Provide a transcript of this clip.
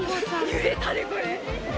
「揺れたでこれ。